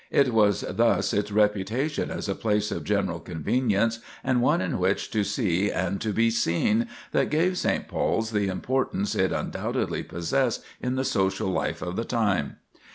It was thus its reputation as a place of general convenience, and one in which to see and to be seen, that gave St. Paul's the importance it undoubtedly possessed in the social life of the time.